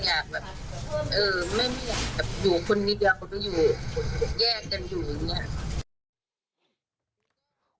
อยากแบบอยู่คนนี้เดียวก็อยู่